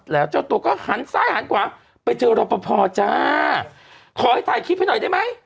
แล้วเจ้าตัวก็หันซ้ายหันขวาไปเจอรอปภจ้าขอให้ถ่ายคลิปให้หน่อยได้ไหม